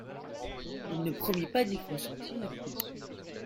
Il ne promit pas d'y consentir.